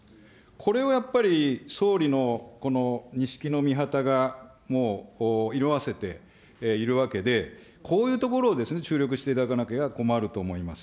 これをやっぱり、総理のこの錦の御旗がもう色あせているわけで、こういうところを注力していただかなければ困ると思います。